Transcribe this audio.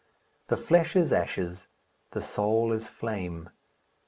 The flesh is ashes, the soul is flame.